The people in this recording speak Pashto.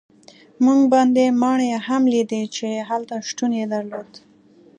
موږ بندي ماڼۍ هم لیدې چې هلته شتون یې درلود.